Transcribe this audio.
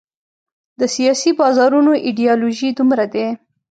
د سیاسي بازارونو ایډیالوژۍ دومره دي.